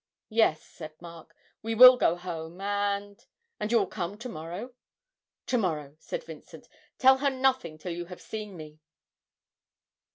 'Yes,' said Mark, 'we will go home, and and you will come to morrow?' 'To morrow,' said Vincent. 'Tell her nothing till you have seen me!'